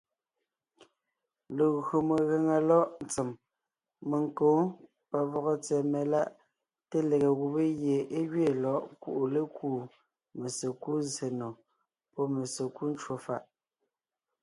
Legÿo megàŋa lɔ̌ʼ ntsèm, menkǒ, pavɔgɔ tsɛ̀ɛ meláʼ, té lege gubé gie é gẅeen lɔ̌ʼ kuʼu lékúu mesekúd zsè nò pɔ́ mesekúd ncwò fàʼ.